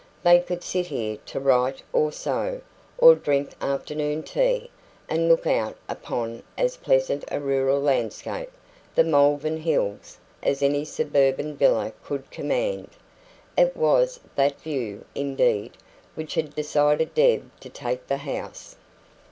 They could sit here to write or sew, or drink afternoon tea, and look out upon as pleasant a rural landscape the Malvern Hills as any suburban villa could command. It was that view, indeed, which had decided Deb to take the house.